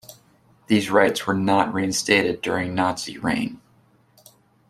These rights were not reinstated during Nazi reign.